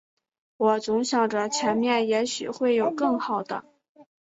我总想着前面也许会有更好的